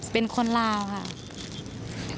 เป็นคนลาวค่ะ